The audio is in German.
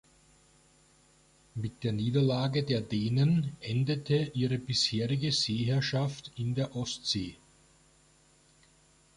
Mit der Niederlage der Dänen endete ihre bisherige Seeherrschaft in der Ostsee.